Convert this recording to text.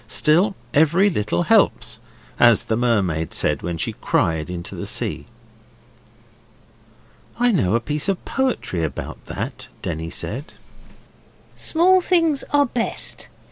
Still, every little helps, as the mermaid said when she cried into the sea.' 'I know a piece of poetry about that,' Denny said. 'Small things are best.